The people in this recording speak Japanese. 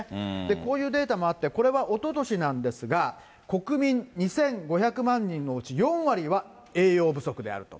こういうデータもあって、これはおととしなんですが、国民２５００万人のうち、４割は栄養不足であると。